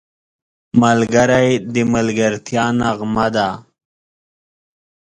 ملګری د ملګرتیا نغمه ده